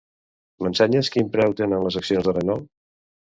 M'ensenyes quin preu tenen les accions de Renault?